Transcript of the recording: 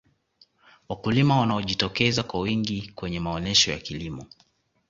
walikulima wanajitokeza kwa wingi kwenye maonesho ya kilimo